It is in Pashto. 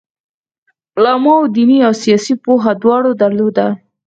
علماوو دیني او سیاسي پوهه دواړه درلوده.